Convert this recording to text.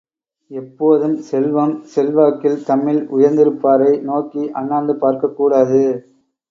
எப்போதும் செல்வம், செல்வாக்கில் தம்மில் உயர்ந்திருப்பாரை நோக்கி அண்ணாந்து பார்க்கக் கூடாது.